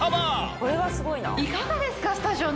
これはすごいな。